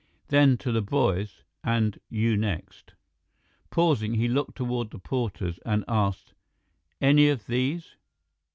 Then, to the boys, "And you next." Pausing, he looked toward the porters and asked, "Any of these?"